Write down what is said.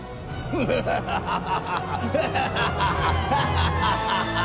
ハハハハハハ。